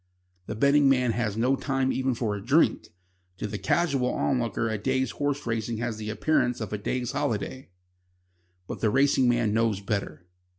The betting man has no time even for a drink. To the casual onlooker a day's horse racing has the appearance of a day's holiday. But the racing man knows better.